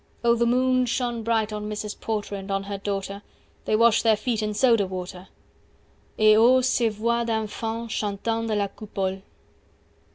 O the moon shone bright on Mrs. Porter And on her daughter 200 They wash their feet in soda water Et, O ces voix d'enfants, chantant dans la coupole!